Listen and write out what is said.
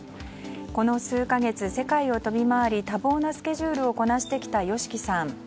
この数か月、世界を飛び回り多忙なスケジュールをこなしてきたＹＯＳＨＩＫＩさん。